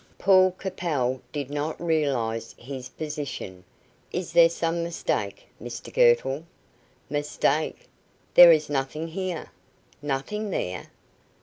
Paul Capel did not realise his position. "Is there some mistake, Mr Girtle?" "Mistake?" "There is nothing here!" "Nothing there?"